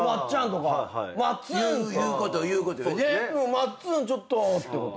「まっつんちょっと」ってこと。